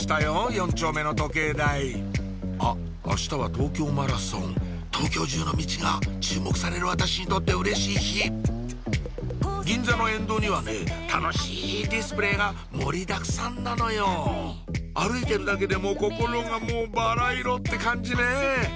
４丁目の時計台あっあしたは東京マラソン東京中のミチが注目される私にとってうれしい日銀座の沿道にはね楽しいディスプレーが盛りだくさんなのよ歩いてるだけでも心がもうバラ色って感じね！